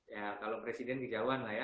ya kalau presiden kejauhan lah ya